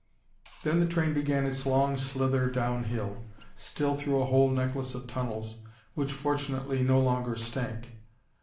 Then the train began its long slither downhill, still through a whole necklace of tunnels, which fortunately no longer stank.